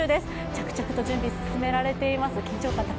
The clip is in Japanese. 着々と準備、進められています。